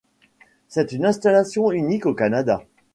C'est une installation unique au Canada.